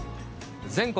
全国